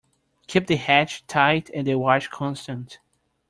Keep the hatch tight and the watch constant.